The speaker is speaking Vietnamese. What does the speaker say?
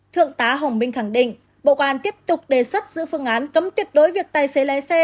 thượng tá hồng minh khẳng định bộ công an tiếp tục đề xuất giữ phương án cấm tuyệt đối việc tài xế lái xe